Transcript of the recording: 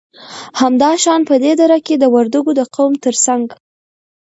همدا شان په دې دره کې د وردگو د قوم تر څنگ